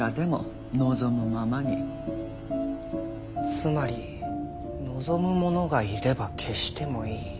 つまり望む者がいれば消してもいい。